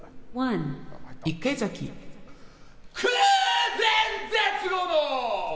空前絶後の！